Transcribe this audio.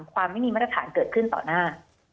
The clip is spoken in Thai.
ไม่มีมาตรฐานเกิดขึ้นต่อหน้า